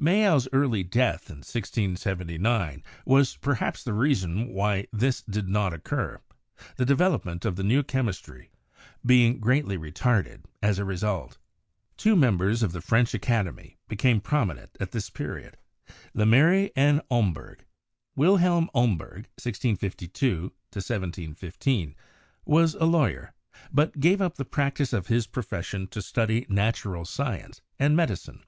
Mayow's early death in 1679 was perhaps the reason why this did not occur, the development of the new chemistry being greatly retarded as a result. Two members of the French Academy became promi nent at this period, Lemery and Homberg. Wilhelm Homberg (1652 1715) was a lawyer, but gave up the practice of his profession to study natural science and medicine.